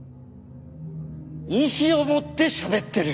意思を持ってしゃべってる。